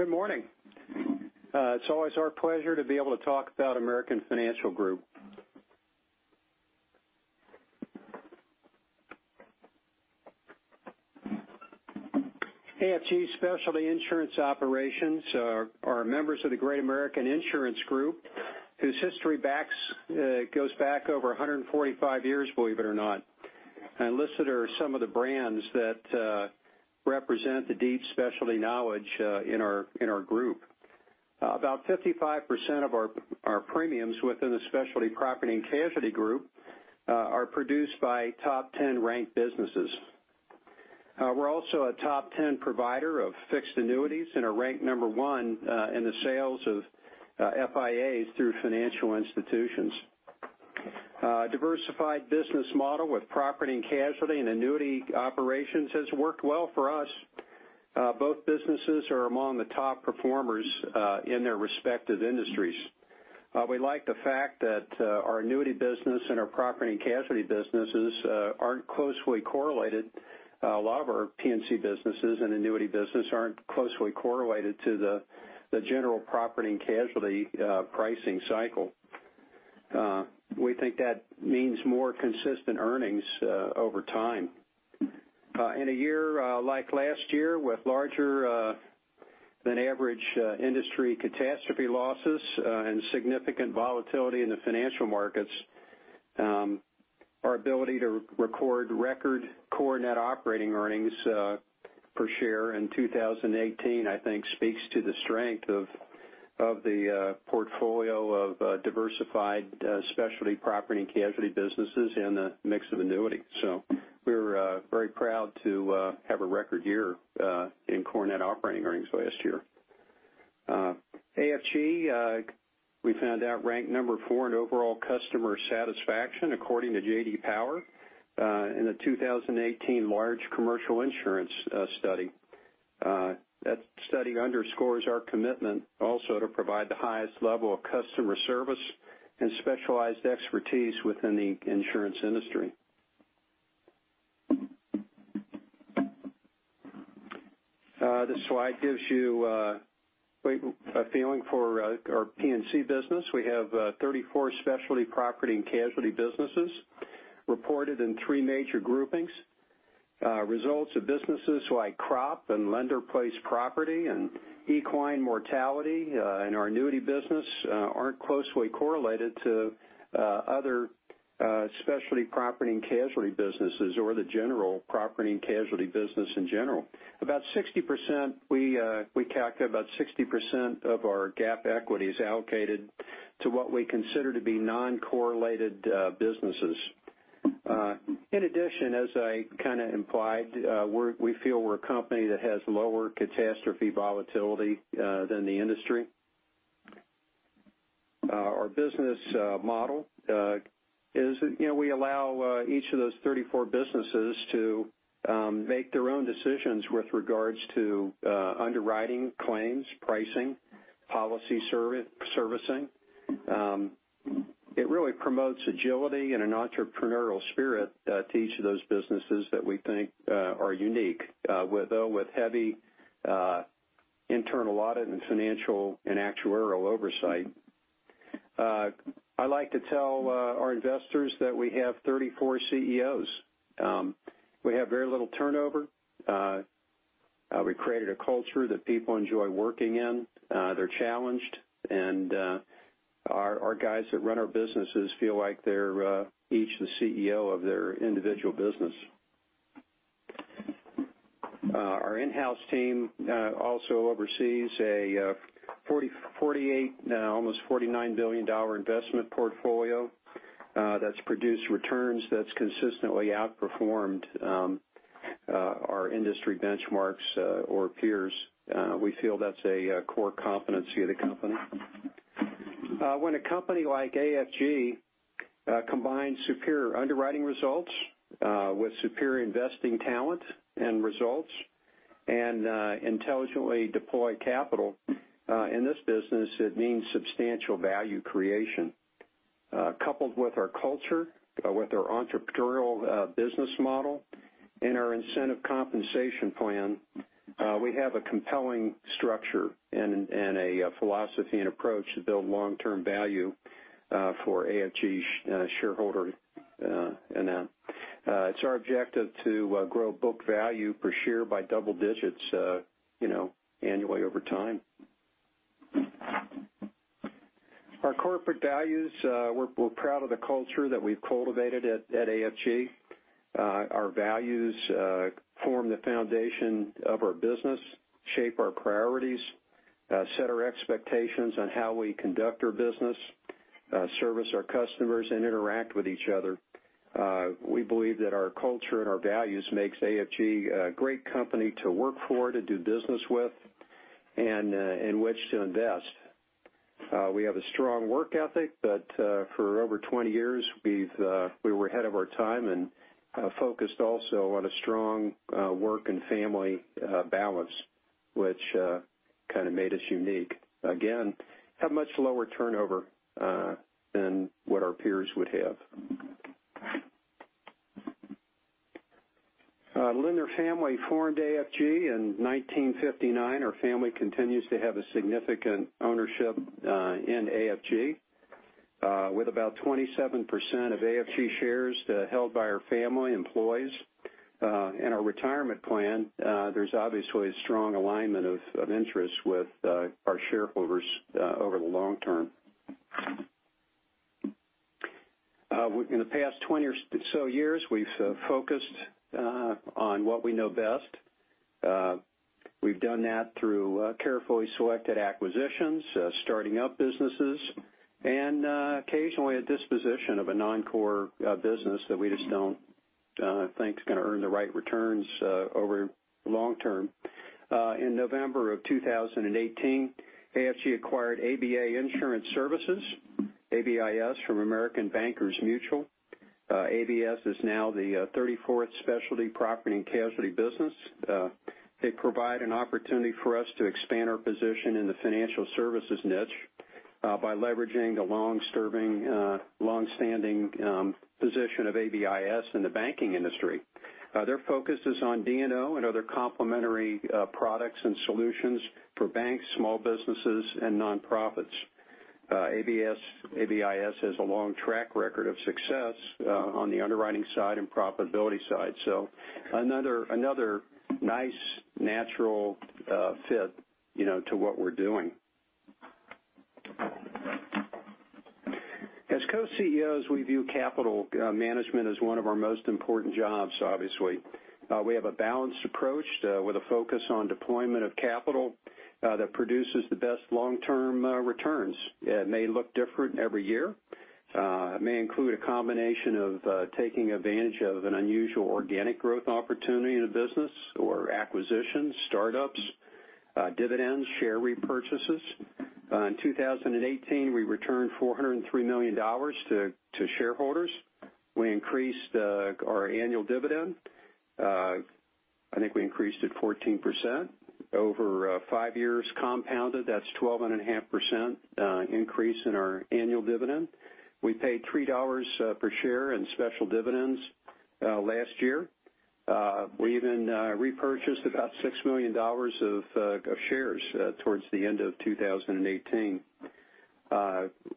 Good morning. It's always our pleasure to be able to talk about American Financial Group. AFG specialty insurance operations are members of the Great American Insurance Group, whose history goes back over 145 years, believe it or not. Listed are some of the brands that represent the deep specialty knowledge in our group. About 55% of our premiums within the specialty property and casualty group are produced by top 10 ranked businesses. We're also a top 10 provider of fixed annuities and are ranked number one in the sales of FIAs through financial institutions. Diversified business model with property and casualty and annuity operations has worked well for us. Both businesses are among the top performers in their respective industries. We like the fact that our annuity business and our property and casualty businesses aren't closely correlated. A lot of our P&C businesses and annuity business aren't closely correlated to the general property and casualty pricing cycle. We think that means more consistent earnings over time. In a year like last year, with larger than average industry catastrophe losses and significant volatility in the financial markets, our ability to record record core net operating earnings per share in 2018, I think speaks to the strength of the portfolio of diversified specialty property and casualty businesses in the mix of annuity. We're very proud to have a record year in core net operating earnings last year. AFG, we found out, ranked number four in overall customer satisfaction according to J.D. Power in the 2018 large commercial insurance study. That study underscores our commitment also to provide the highest level of customer service and specialized expertise within the insurance industry. This slide gives you a feeling for our P&C business. We have 34 specialty property and casualty businesses reported in three major groupings. Results of businesses like crop and lender-placed property and equine mortality and our annuity business aren't closely correlated to other specialty property and casualty businesses or the general property and casualty business in general. We calculate about 60% of our GAAP equity is allocated to what we consider to be non-correlated businesses. In addition, as I kind of implied, we feel we're a company that has lower catastrophe volatility than the industry. Our business model is we allow each of those 34 businesses to make their own decisions with regards to underwriting claims, pricing, policy servicing. It really promotes agility and an entrepreneurial spirit to each of those businesses that we think are unique, though with heavy internal audit and financial and actuarial oversight. I like to tell our investors that we have 34 CEOs. We have very little turnover. We created a culture that people enjoy working in. They're challenged, and our guys that run our businesses feel like they're each the CEO of their individual business. Our in-house team also oversees an almost $49 billion investment portfolio that's produced returns that's consistently outperformed our industry benchmarks or peers. We feel that's a core competency of the company. When a company like AFG combines superior underwriting results with superior investing talent and results and intelligently deploy capital, in this business, it means substantial value creation. Coupled with our culture, with our entrepreneurial business model, and our incentive compensation plan, we have a compelling structure and a philosophy and approach to build long-term value for AFG shareholders. It's our objective to grow book value per share by double digits annually over time. Our corporate values, we're proud of the culture that we've cultivated at AFG. Our values form the foundation of our business, shape our priorities, set our expectations on how we conduct our business, service our customers, and interact with each other. We believe that our culture and our values makes AFG a great company to work for, to do business with, and in which to invest. For over 20 years, we were ahead of our time and focused also on a strong work and family balance, which kind of made us unique. Again, have much lower turnover than what our peers would have. The Lindner family formed AFG in 1959. Our family continues to have a significant ownership in AFG, with about 27% of AFG shares held by our family, employees, and our retirement plan. There's obviously a strong alignment of interests with our shareholders over the long term. In the past 20 or so years, we've focused on what we know best. We've done that through carefully selected acquisitions, starting up businesses, and occasionally, a disposition of a non-core business that we just don't think is going to earn the right returns over the long term. In November of 2018, AFG acquired ABA Insurance Services, ABAIS, from American Bankers Mutual. ABAIS is now the 34th specialty property and casualty business. They provide an opportunity for us to expand our position in the financial services niche by leveraging the long-serving, long-standing position of ABAIS in the banking industry. Their focus is on D&O and other complementary products and solutions for banks, small businesses, and nonprofits. ABAIS has a long track record of success on the underwriting side and profitability side, so another nice natural fit to what we're doing. As Co-CEOs, we view capital management as one of our most important jobs, obviously. We have a balanced approach with a focus on deployment of capital that produces the best long-term returns. It may look different every year. It may include a combination of taking advantage of an unusual organic growth opportunity in a business or acquisitions, startups, dividends, share repurchases. In 2018, we returned $403 million to shareholders. We increased our annual dividend. I think we increased it 14%. Over five years compounded, that's 12.5% increase in our annual dividend. We paid $3 per share in special dividends last year. We even repurchased about $6 million of shares towards the end of 2018.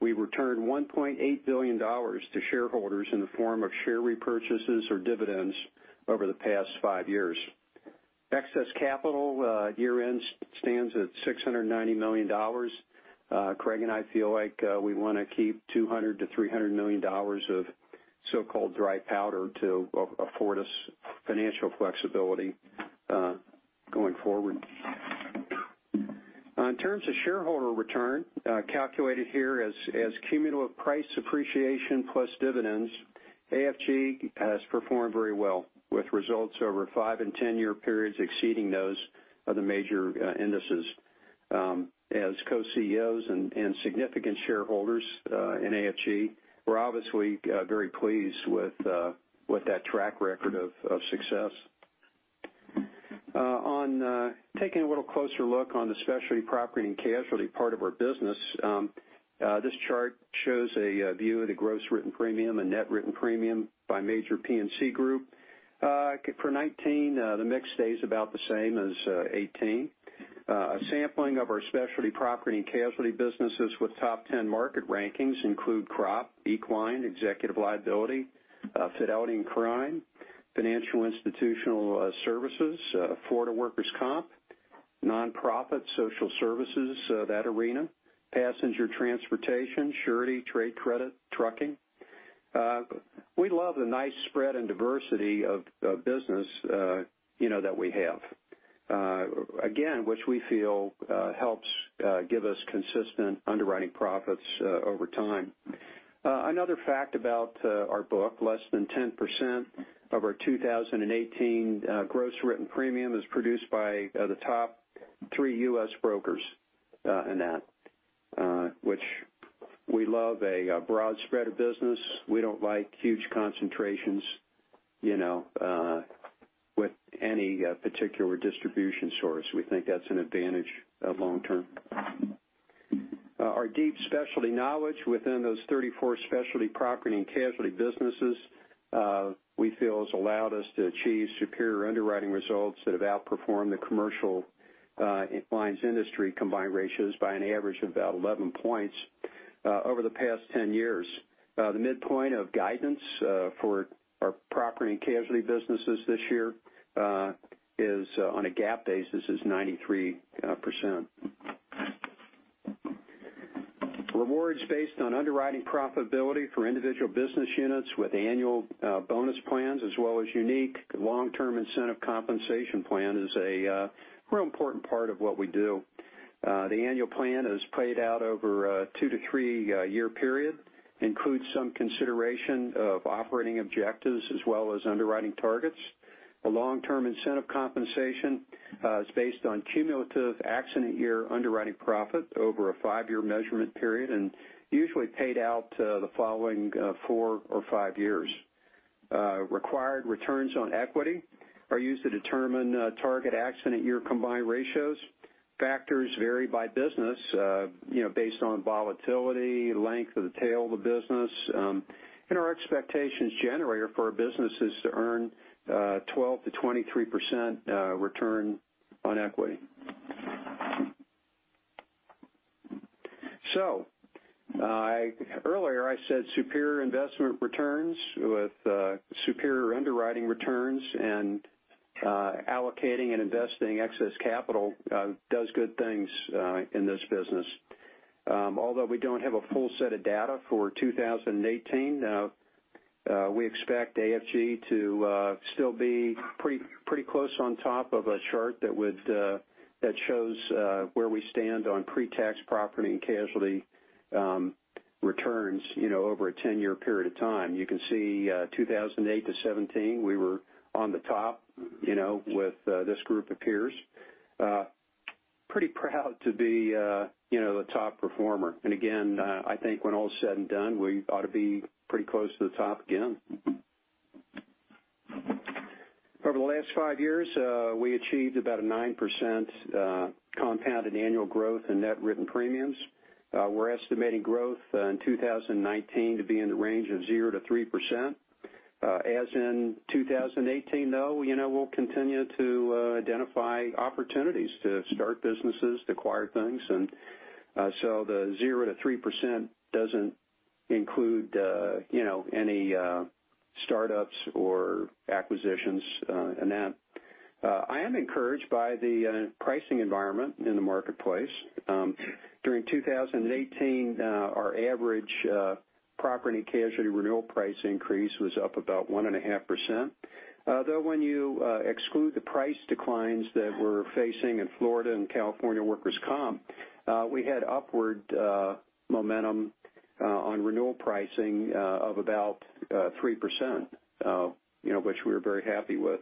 We returned $1.8 billion to shareholders in the form of share repurchases or dividends over the past five years. Excess capital year-end stands at $690 million. Craig and I feel like we want to keep $200 million-$300 million of so-called dry powder to afford us financial flexibility going forward. In terms of shareholder return, calculated here as cumulative price appreciation plus dividends, AFG has performed very well, with results over five and 10-year periods exceeding those of the major indices. As Co-CEOs and significant shareholders in AFG, we're obviously very pleased with that track record of success. On taking a little closer look on the specialty property and casualty part of our business, this chart shows a view of the gross written premium and net written premium by major P&C Group. For 2019, the mix stays about the same as 2018. A sampling of our specialty property and casualty businesses with top 10 market rankings include crop, equine, Executive Liability, Fidelity / Crime, Financial Institution Services, Florida workers' comp, non-profit social services, that arena, Passenger Transportation, Surety, Trade Credit, Trucking. We love the nice spread and diversity of business that we have, again, which we feel helps give us consistent underwriting profits over time. Another fact about our book, less than 10% of our 2018 gross written premium is produced by the top three U.S. brokers in that, which we love a broad spread of business. We don't like huge concentrations with any particular distribution source. We think that's an advantage long term. Our deep specialty knowledge within those 34 specialty property and casualty businesses, we feel, has allowed us to achieve superior underwriting results that have outperformed the commercial lines industry combined ratios by an average of about 11 points over the past 10 years. The midpoint of guidance for our property and casualty businesses this year is, on a GAAP basis, is 93%. Rewards based on underwriting profitability for individual business units with annual bonus plans as well as unique long-term incentive compensation plan is a real important part of what we do. The annual plan is paid out over a two to three-year period, includes some consideration of operating objectives as well as underwriting targets. A long-term incentive compensation is based on cumulative accident year underwriting profit over a five-year measurement period and usually paid out the following four or five years. Required returns on equity are used to determine target accident year combined ratios. Factors vary by business based on volatility, length of the tail of the business, and our expectations generator for our business is to earn 12%-23% return on equity. Earlier I said superior investment returns with superior underwriting returns and allocating and investing excess capital does good things in this business. Although we don't have a full set of data for 2018, we expect AFG to still be pretty close on top of a chart that shows where we stand on pre-tax property and casualty returns over a 10-year period of time. You can see 2008 to 2017, we were on the top with this group of peers. Pretty proud to be a top performer. Again, I think when all is said and done, we ought to be pretty close to the top again. Over the last five years, we achieved about a 9% compounded annual growth in net written premiums. We're estimating growth in 2019 to be in the range of 0%-3%. As in 2018, though, we'll continue to identify opportunities to start businesses, to acquire things, the 0%-3% doesn't include any startups or acquisitions in that. I am encouraged by the pricing environment in the marketplace. During 2018, our average property and casualty renewal price increase was up about 1.5%, though when you exclude the price declines that we're facing in Florida and California workers' comp, we had upward momentum on renewal pricing of about 3%, which we were very happy with.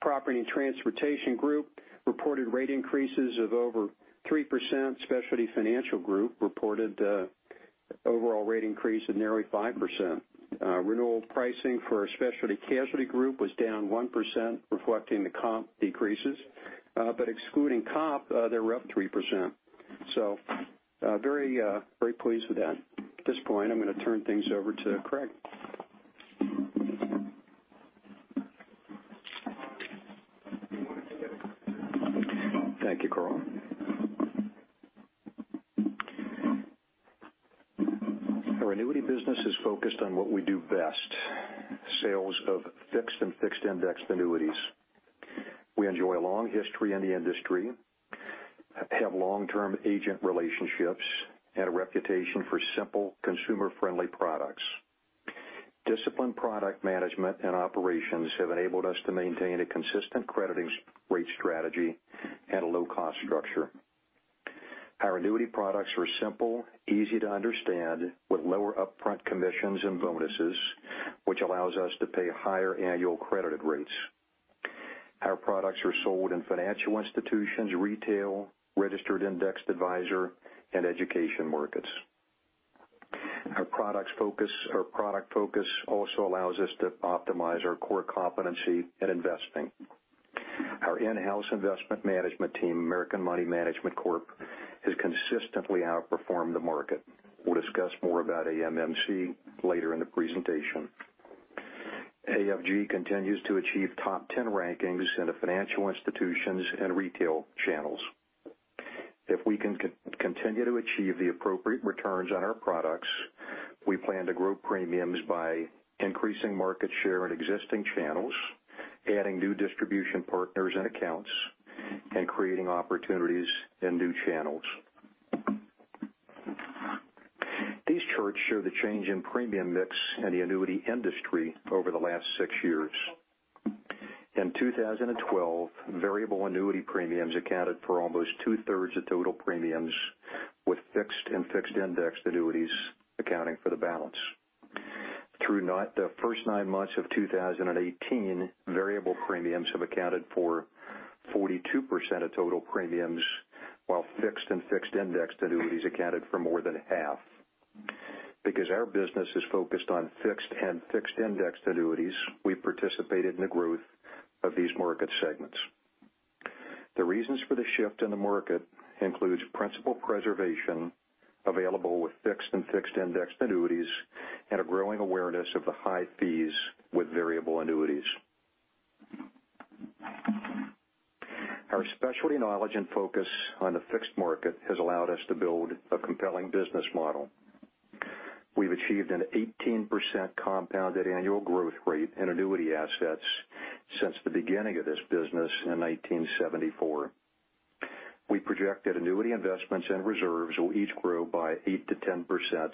Property and Transportation Group reported rate increases of over 3%. Specialty Financial Group reported overall rate increase of nearly 5%. Renewal pricing for our Specialty Casualty Group was down 1%, reflecting the comp decreases. Excluding comp, they're up 3%. Very pleased with that. At this point, I'm going to turn things over to Craig. Thank you, Carl. Our annuity business is focused on what we do best, sales of fixed and fixed indexed annuities. We enjoy a long history in the industry, have long-term agent relationships, and a reputation for simple, consumer-friendly products. Disciplined product management and operations have enabled us to maintain a consistent crediting rate strategy and a low-cost structure. Our annuity products are simple, easy to understand, with lower upfront commissions and bonuses, which allows us to pay higher annual credited rates. Our products are sold in financial institutions, retail, registered indexed advisor, and education markets. Our product focus also allows us to optimize our core competency in investing. Our in-house investment management team, American Money Management Corp, has consistently outperformed the market. We'll discuss more about AMMC later in the presentation. AFG continues to achieve top 10 rankings in the financial institutions and retail channels. If we can continue to achieve the appropriate returns on our products, we plan to grow premiums by increasing market share in existing channels, adding new distribution partners and accounts, and creating opportunities in new channels. These charts show the change in premium mix in the annuity industry over the last six years. In 2012, variable annuity premiums accounted for almost two-thirds of total premiums, with fixed and fixed indexed annuities accounting for the balance. Through the first nine months of 2018, variable premiums have accounted for 42% of total premiums, while fixed and fixed indexed annuities accounted for more than half. Because our business is focused on fixed and fixed indexed annuities, we participated in the growth of these market segments. The reasons for the shift in the market includes principal preservation available with fixed and fixed indexed annuities, and a growing awareness of the high fees with variable annuities. Our specialty knowledge and focus on the fixed market has allowed us to build a compelling business model. We've achieved an 18% compounded annual growth rate in annuity assets since the beginning of this business in 1974. We project that annuity investments and reserves will each grow by 8%-10%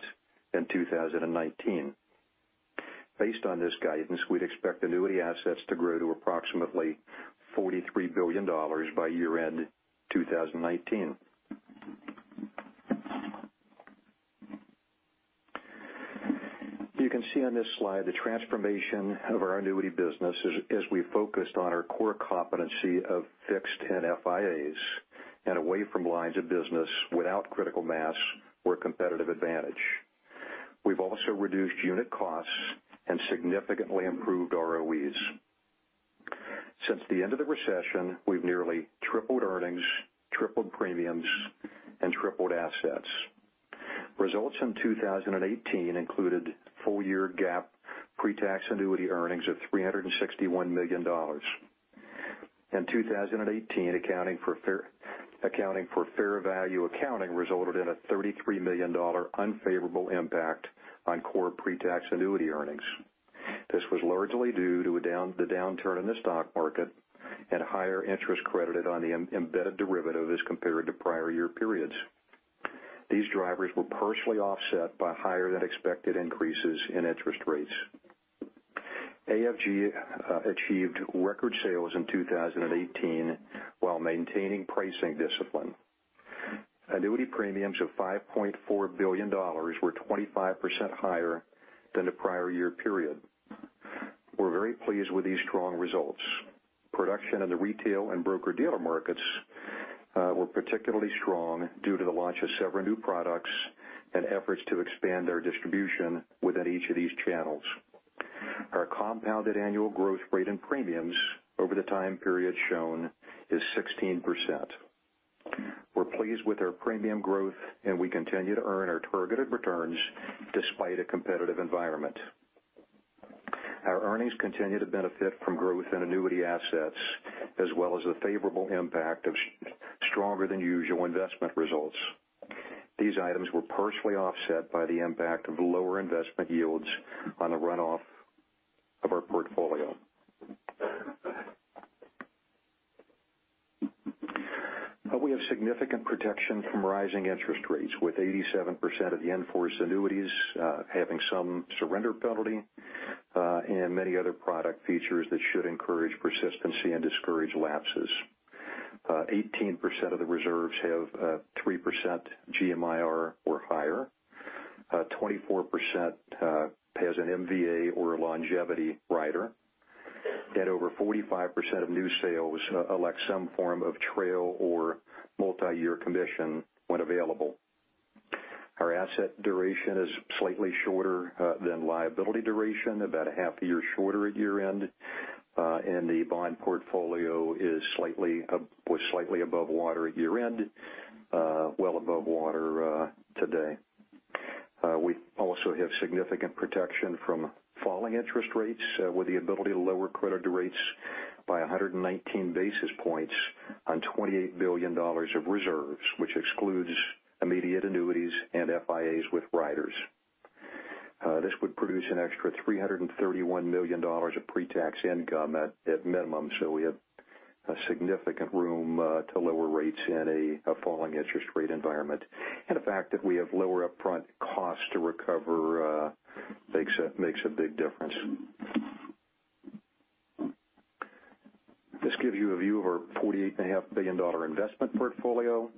in 2019. Based on this guidance, we'd expect annuity assets to grow to approximately $43 billion by year-end 2019. You can see on this slide the transformation of our annuity business as we focused on our core competency of fixed and FIAs and away from lines of business without critical mass or competitive advantage. We've also reduced unit costs and significantly improved ROEs. Since the end of the recession, we've nearly tripled earnings, tripled premiums, and tripled assets. Results in 2018 included full-year GAAP pre-tax annuity earnings of $361 million. In 2018, accounting for fair value accounting resulted in a $33 million unfavorable impact on core pre-tax annuity earnings. This was largely due to the downturn in the stock market and higher interest credited on the embedded derivative as compared to prior year periods. These drivers were partially offset by higher than expected increases in interest rates. AFG achieved record sales in 2018 while maintaining pricing discipline. Annuity premiums of $5.4 billion were 25% higher than the prior year period. We're very pleased with these strong results. Production in the retail and broker-dealer markets were particularly strong due to the launch of several new products and efforts to expand our distribution within each of these channels. Our compounded annual growth rate in premiums over the time period shown is 16%. We're pleased with our premium growth. We continue to earn our targeted returns despite a competitive environment. Our earnings continue to benefit from growth in annuity assets, as well as the favorable impact of stronger than usual investment results. These items were partially offset by the impact of lower investment yields on the runoff of our portfolio. We have significant protection from rising interest rates, with 87% of the in-force annuities having some surrender penalty, and many other product features that should encourage persistency and discourage lapses. 18% of the reserves have 3% GMIR or higher. 24% has an MVA or a longevity rider. Over 45% of new sales elect some form of trail or multi-year commission when available. Our asset duration is slightly shorter than liability duration, about a half a year shorter at year-end. The bond portfolio was slightly above water at year-end, well above water today. We also have significant protection from falling interest rates with the ability to lower credited rates by 119 basis points on $28 billion of reserves, which excludes immediate annuities and FIAs with riders. This would produce an extra $331 million of pre-tax income at minimum. We have significant room to lower rates in a falling interest rate environment. The fact that we have lower upfront costs to recover makes a big difference. This gives you a view of our $48.5 billion investment portfolio.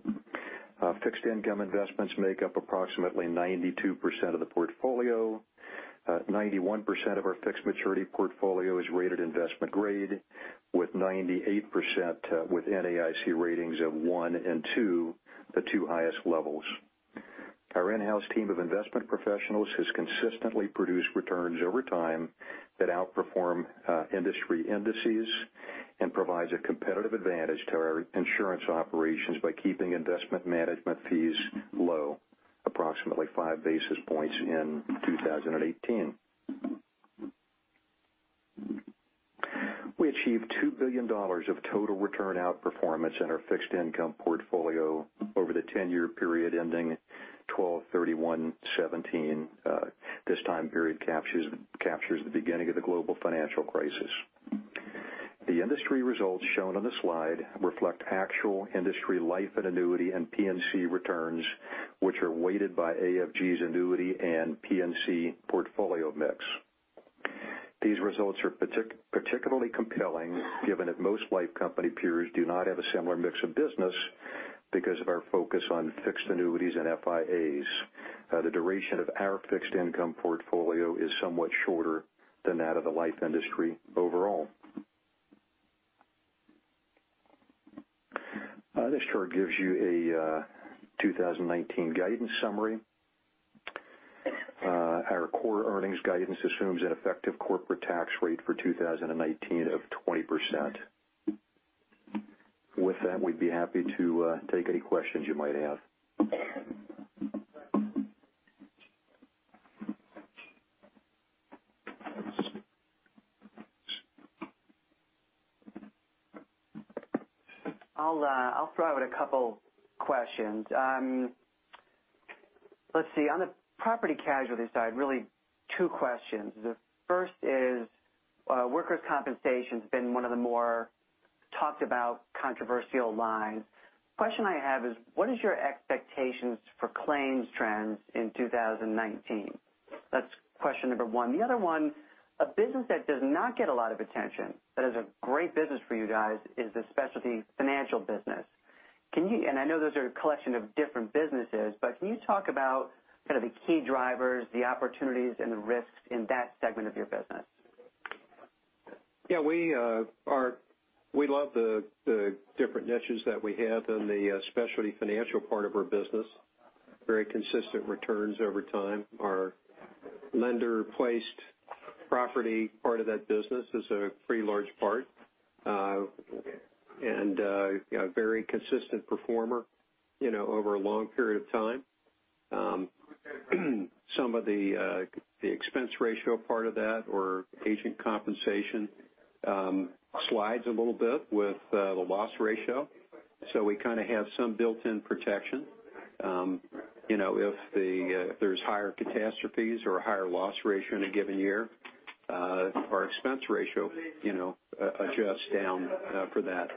Fixed income investments make up approximately 92% of the portfolio. 91% of our fixed maturity portfolio is rated investment-grade, with 98% with NAIC ratings of 1 and 2, the 2 highest levels. Our in-house team of investment professionals has consistently produced returns over time that outperform industry indices and provides a competitive advantage to our insurance operations by keeping investment management fees low, approximately five basis points in 2018. We achieved $2 billion of total return outperformance in our fixed income portfolio over the 10-year period ending 12/31/2017. This time period captures the beginning of the global financial crisis. The industry results shown on the slide reflect actual industry life and annuity and P&C returns, which are weighted by AFG's annuity and P&C portfolio mix. These results are particularly compelling given that most life company peers do not have a similar mix of business because of our focus on fixed annuities and FIAs. The duration of our fixed income portfolio is somewhat shorter than that of the life industry overall. This chart gives you a 2019 guidance summary. Our core earnings guidance assumes an effective corporate tax rate for 2019 of 20%. With that, we'd be happy to take any questions you might have. I'll throw out a couple questions. Let's see, on the property casualty side, really two questions. The first is, workers' compensation's been one of the more talked about controversial lines. Question I have is, what is your expectations for claims trends in 2019? That's question number one. The other one, a business that does not get a lot of attention, that is a great business for you guys, is the Specialty Financial business. I know those are a collection of different businesses, but can you talk about kind of the key drivers, the opportunities, and the risks in that segment of your business? Yeah, we love the different niches that we have in the Specialty Financial part of our business. Very consistent returns over time. Our lender-placed property part of that business is a pretty large part, and a very consistent performer over a long period of time. Some of the expense ratio part of that or agent compensation slides a little bit with the loss ratio. We have some built-in protection. If there's higher catastrophes or a higher loss ratio in a given year, our expense ratio adjusts down for that.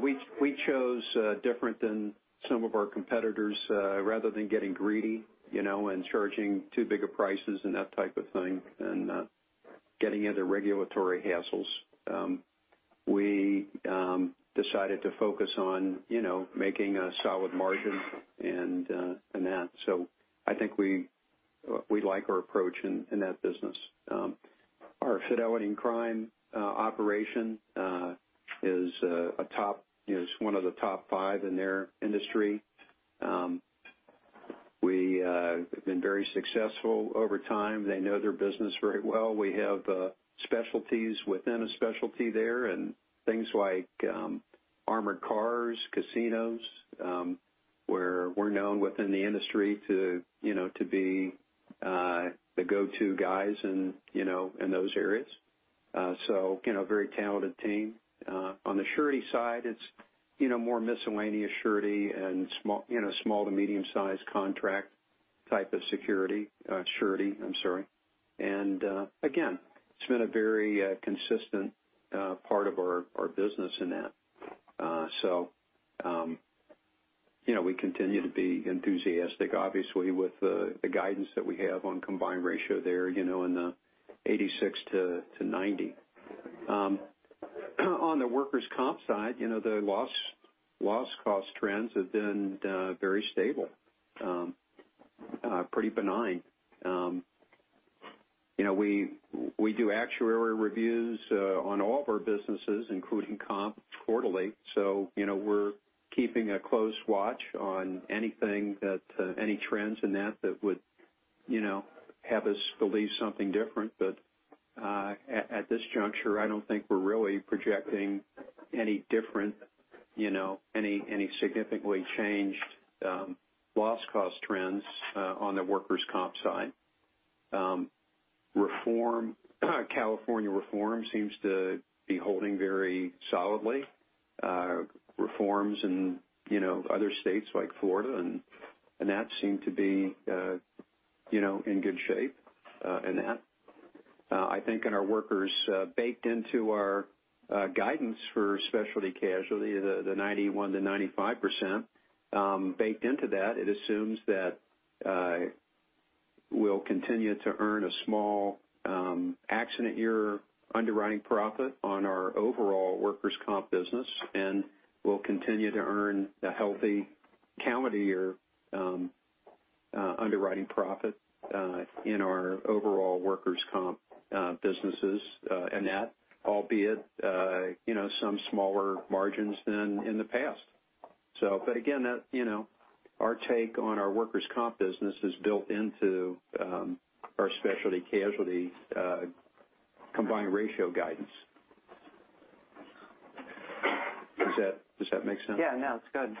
We chose different than some of our competitors, rather than getting greedy, and charging too big a prices and that type of thing, and getting into regulatory hassles. We decided to focus on making a solid margin in that. I think we like our approach in that business. Our Fidelity Crime operation is one of the top five in their industry. We have been very successful over time. They know their business very well. We have specialties within a specialty there and things like armored cars, casinos, where we're known within the industry to be the go-to guys in those areas. Very talented team. On the Surety side, it's more miscellaneous Surety and small to medium-sized contract type of security. Surety, I'm sorry. Again, it's been a very consistent part of our business in that. We continue to be enthusiastic, obviously, with the guidance that we have on combined ratio there in the 86-90. On the workers' comp side, the loss cost trends have been very stable. Pretty benign. We do actuary reviews on all of our businesses, including comp quarterly. We're keeping a close watch on any trends in that would have us believe something different. At this juncture, I don't think we're really projecting any different, any significantly changed loss cost trends on the workers' comp side. California reform seems to be holding very solidly. Reforms in other states like Florida and that seem to be in good shape in that. I think in our workers, baked into our guidance for Specialty Casualty, the 91%-95%, baked into that, it assumes that we'll continue to earn a small accident year underwriting profit on our overall workers' comp business. We'll continue to earn a healthy calendar year underwriting profit in our overall workers' comp businesses, and that albeit some smaller margins than in the past. Again, our take on our workers' comp business is built into our Specialty Casualty combined ratio guidance. Does that make sense? Yeah. No, it's good.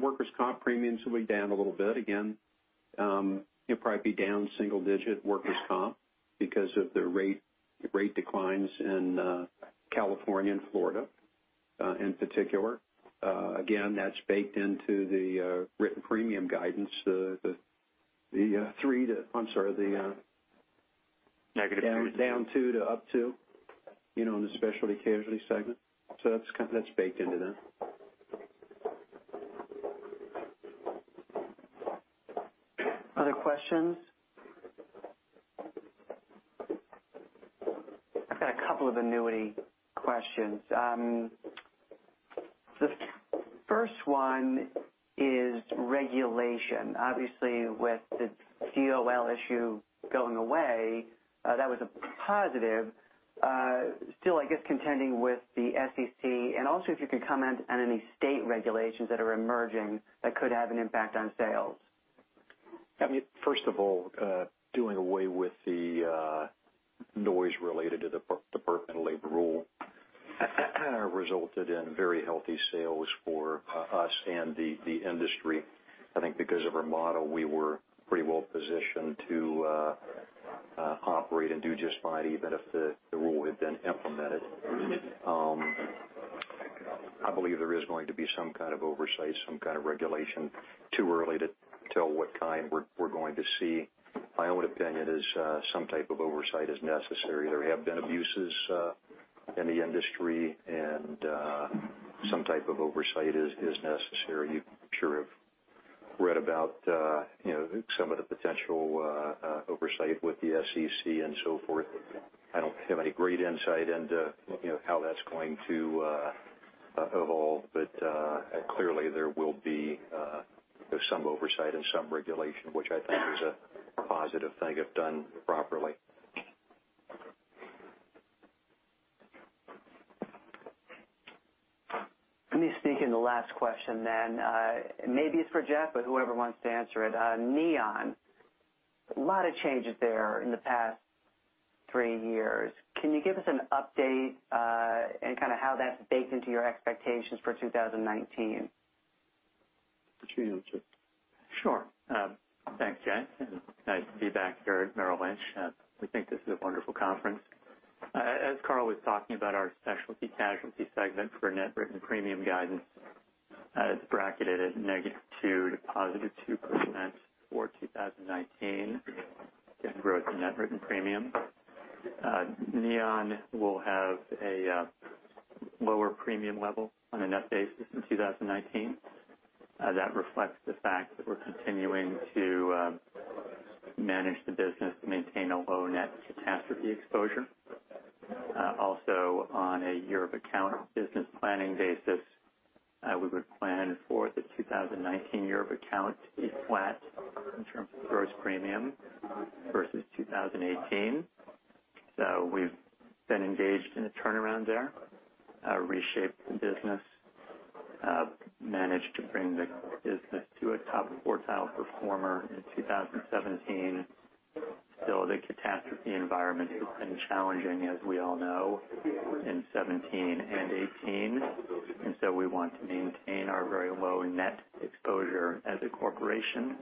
Workers' comp premiums will be down a little bit again. It'll probably be down single-digit workers' comp because of the rate declines in California and Florida, in particular. Again, that's baked into the written premium guidance. Negative two. Down two to up two, in the Specialty Casualty Group. That's baked into that. Other questions? I've got a couple of annuity questions. The first one is regulation. Obviously, with the DOL issue going away, that was a positive. Still, I guess contending with the SEC, and also if you could comment on any state regulations that are emerging that could have an impact on sales. I mean, first of all, doing away with the noise related to the Department of Labor rule resulted in very healthy sales for us and the industry. I think because of our model, we were pretty well positioned to operate and do just fine, even if the rule had been implemented. I believe there is going to be some kind of oversight, some kind of regulation. Too early to tell what kind we're going to see. My own opinion is some type of oversight is necessary. There have been abuses in the industry, and some type of oversight is necessary. You sure have read about some of the potential oversight with the SEC and so forth. I don't have any great insight into how that's going to. Clearly there will be some oversight and some regulation, which I think is a positive thing if done properly. Let me sneak in the last question then. Maybe it's for Jeff, but whoever wants to answer it. Neon, a lot of changes there in the past three years. Can you give us an update, and how that's baked into your expectations for 2019? Let you answer. Sure. Thanks, Jeff, and nice to be back here at Merrill Lynch. We think this is a wonderful conference. As Carl was talking about our Specialty Casualty segment for net written premium guidance, it's bracketed at -2% to +2% for 2019 in growth in net written premium. Neon will have a lower premium level on a net basis in 2019. That reflects the fact that we're continuing to manage the business to maintain a low net catastrophe exposure. Also, on a year of account business planning basis, we would plan for the 2019 year of account to be flat in terms of gross premium versus 2018. We've been engaged in a turnaround there, reshaped the business, managed to bring the business to a top quartile performer in 2017. The catastrophe environment has been challenging, as we all know, in 2017 and 2018, we want to maintain our very low net exposure as a corporation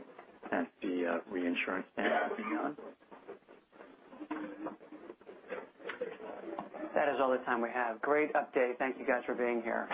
at the reinsurance end of Neon. That is all the time we have. Great update. Thank you guys for being here.